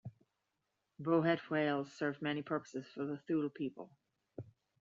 Bowhead whales served many purposes for the Thule people.